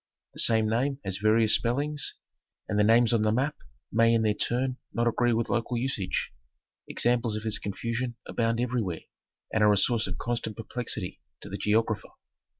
The same name has various spellings, and the names on the map may in their turn not agree with local usage. Examples of this confusion abound everywhere, and are a source of constant perplexity to the geographer.